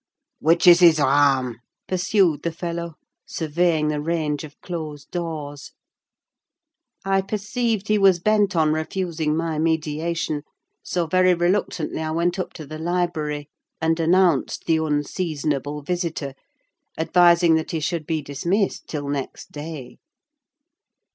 "Which is his rahm?" pursued the fellow, surveying the range of closed doors. I perceived he was bent on refusing my mediation, so very reluctantly I went up to the library, and announced the unseasonable visitor, advising that he should be dismissed till next day.